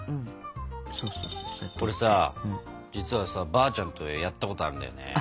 これさ実はさばあちゃんとやったことあるんだよね。